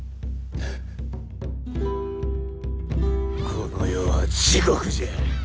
この世は地獄じゃ！